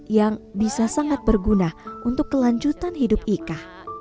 yang bisa sangat berguna untuk kelanjutan hidup ika